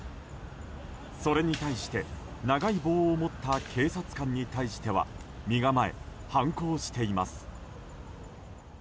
それに対して長い棒を持った警察官に対しては身構え、反抗しています。